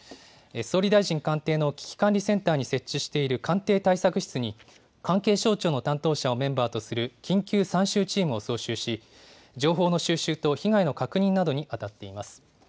総理大臣官邸の危機管理センターに設置している官邸対策室に、関係省庁の担当者をメンバーとする緊急参集チームを招集し、情報の収集と被害の確認などに当たっています。